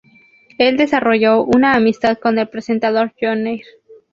Él desarrolló una amistad con el presentador Joyner.